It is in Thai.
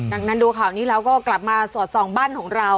ดังนั้นดูข่าวนี้แล้วก็กลับมาสอดส่องบ้านของเรา